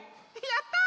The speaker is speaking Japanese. やった！